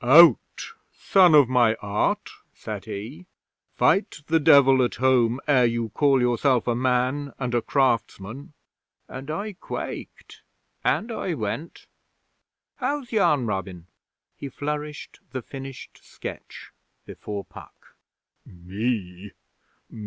"Out! Son of my Art!" said he. "Fight the Devil at home ere you call yourself a man and a craftsman." And I quaked, and I went ... How's yon, Robin?' He flourished the finished sketch before Puck. 'Me!